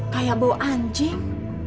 kayak bawa anjing